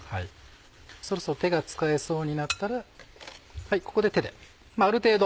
そろそろ手が使えそうになったらここで手である程度。